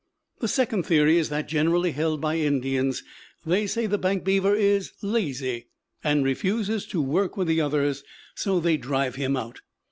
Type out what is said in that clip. The second theory is that generally held by Indians. They say the bank beaver is lazy and refuses to work with the others; so they drive him out.